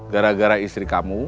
gara gara istri kamu